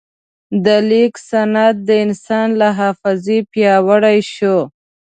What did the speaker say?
د لیک سند د انسان له حافظې پیاوړی شو.